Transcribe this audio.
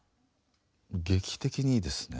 劇的にいいですね。